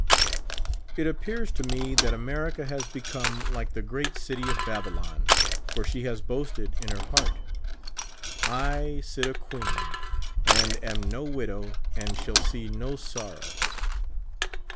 It appears to me that America has become like the great City of Babylon, for she has boasted in her heart :'* I sit a queen, and am no widow, and shall see no sor row